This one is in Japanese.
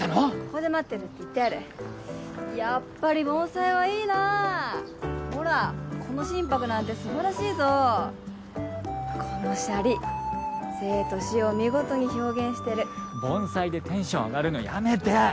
ここで待ってるって言ってあるやっぱり盆栽はいいなほらこの真柏なんてすばらしいぞこのシャリ生と死を見事に表現してる盆栽でテンション上がるのやめて！